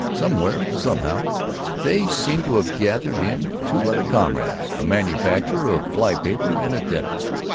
Somewhere, somehow, they seemed to have gathered in two other comrades: a manufacturer of fly paper and a dentist.